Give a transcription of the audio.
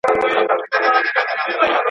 دا ليک له هغه ښه دی؟!